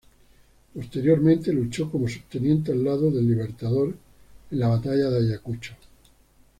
Posteriormente luchó como subteniente al lado del Libertador en la Batalla de Ayacucho.